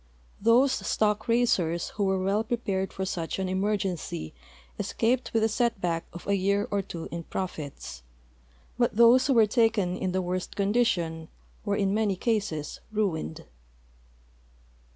Those stock raisers who 'were well prej^ared for such an emergency esca])ed with a set hack of a year or two in profits, but those who were taken in the worst condition were in many cases ruined.